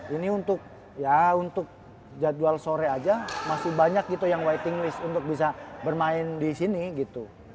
ini untuk ya untuk jadwal sore aja masih banyak gitu yang waiting list untuk bisa bermain disini gitu